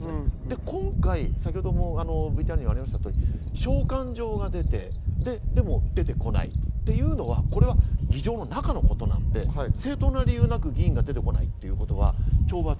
今回、先ほどＶＴＲにありました通り召喚状が出て、でも出てこないというのは議場の中のことなので正当な理由なく議員が出てこないということは懲罰。